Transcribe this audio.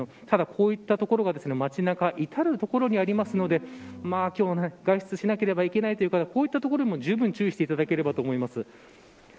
ただ、こういったところは街のいたるところにありますので今日、外出しなければいけない人は、こういった所にじゅうぶん注意していただければと思います。